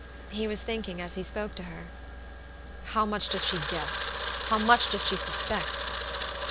He was thinking as he spoke to her: "How much does she guess? How much does she suspect?"